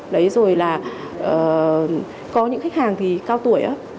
đấy rồi là có những khách hàng thì cao tuổi